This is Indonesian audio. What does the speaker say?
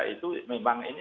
itu memang ini